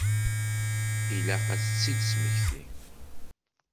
Ilaq ad tt-id-tesmekti.